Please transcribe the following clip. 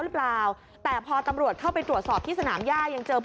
ก็แบบฐานนะเจ้าหน้าที่ใหนฐานนะผู้ใหญ่